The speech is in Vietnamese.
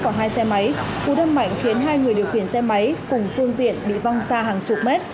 phụ đâm mạnh khiến hai người điều khiển xe máy cùng phương tiện bị vong xa hàng chục mét